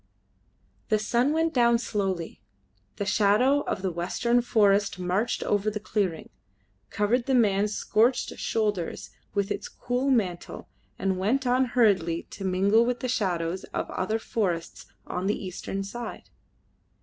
The sun went down slowly. The shadow of the western forest marched over the clearing, covered the man's scorched shoulders with its cool mantle, and went on hurriedly to mingle with the shadows of other forests on the eastern side.